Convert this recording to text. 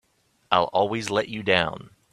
I'll always let you down!